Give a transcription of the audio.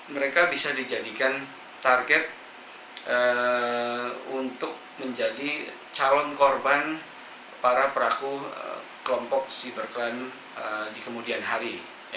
mereka bisa dijadikan target untuk menjadi calon korban para peraku kelompok cybercrime di kemudian hari